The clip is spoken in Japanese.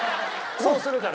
そうするから。